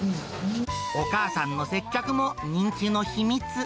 お母さんの接客も人気の秘密。